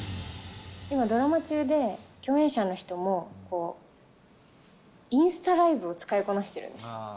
今、ドラマ中で、共演者の人も、インスタライブを使いこなしてるんですよ。